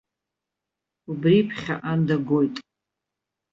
Убри ԥхьаҟа дагоит.